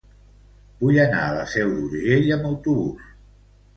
Vull anar a la Seu d'Urgell amb autobús.